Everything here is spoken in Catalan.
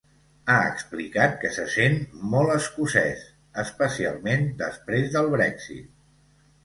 Ha explicat que se sent ‘molt escocès, especialment després del Brexit’.